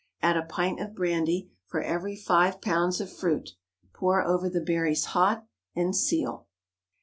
Add a pint of brandy for every five pounds of fruit; pour over the berries hot, and seal.